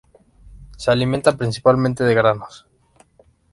Se alimenta principalmente de granos.